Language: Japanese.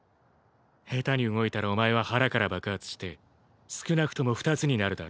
ヘタに動いたらお前は腹から爆発して少なくとも二つになるだろう。